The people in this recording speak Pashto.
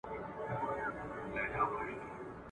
زړه ته نیژدې دی او زوی د تره دی !.